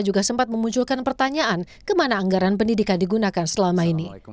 juga sempat memunculkan pertanyaan kemana anggaran pendidikan digunakan selama ini